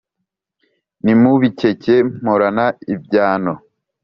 Ntimubikeke mporana ibyano.